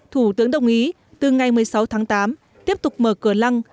thủ tướng đồng ý từ ngày một mươi sáu tháng tám tiếp tục mở cửa lăng